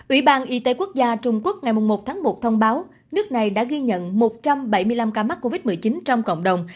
ủy ban y tế quốc gia trung quốc ngày một tháng một thông báo nước này đã ghi nhận một trăm bảy mươi năm ca mắc covid một mươi chín trong cộng đồng